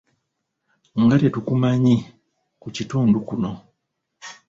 Nga tetukumanyi ku kitundu kuno?